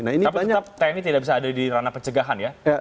tapi tetap tni tidak bisa ada di ranah pencegahan ya